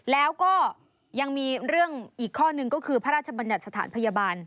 แล้วก็ยังมีเรื่องอีกข้อหนึ่งก็คือพระราชบัญญัติสถานพยาบาล